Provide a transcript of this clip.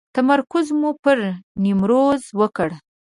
تمرکز مو پر نیمروز وکړ.